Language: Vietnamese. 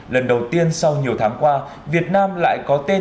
lần đầu tiên sau nhiều tháng qua việt nam lại có tên